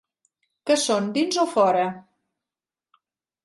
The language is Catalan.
Que són dins o fora?